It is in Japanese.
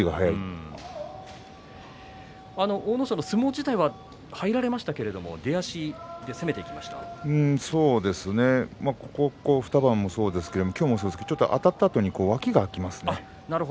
阿武咲の相撲自体は入られましたけれどもここ２番もそうですけれども今日もそうですけれどもあたったあとにちょっと脇が空きますね。